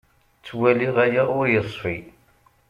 Ttwaliɣ aya ur yeṣfi.